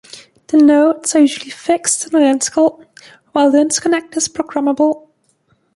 The nodes are usually fixed and identical, while the interconnect is programmable.